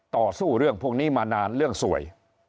ต่อสู้เรื่องพวกนี้มานานเรื่องสวย